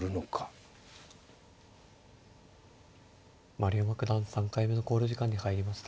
丸山九段３回目の考慮時間に入りました。